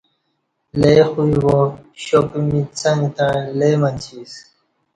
لے خوی وا شاپمیچ څنگ تݩع لے منچی اسہ